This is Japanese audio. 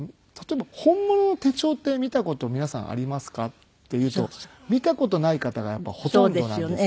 「本物の手帳って見た事皆さんありますか？」って言うと見た事ない方がやっぱりほとんどなんですよ。